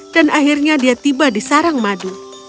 dan akhirnya dia tiba di sarang madu